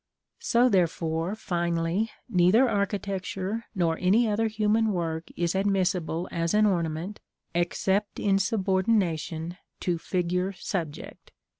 So, therefore, finally, neither architecture nor any other human work is admissible as an ornament, except in subordination to figure subject.